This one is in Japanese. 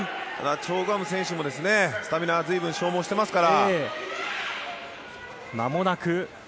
チョ・グハム選手もスタミナは随分消耗してますから。